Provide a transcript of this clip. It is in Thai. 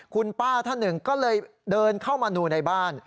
คุณป้าท่านหนึ่งก็เลยเดินเข้ามาดูในบ้าน